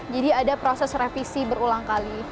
jadi ada proses revisi berulang kali